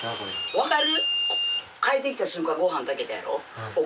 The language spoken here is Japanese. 分かる？